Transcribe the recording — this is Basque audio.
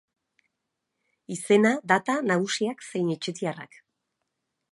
Izena, data, nagusiak zein etxetiarrak.